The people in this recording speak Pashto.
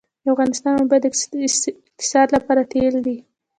د افغانستان اوبه د اقتصاد لپاره تیل دي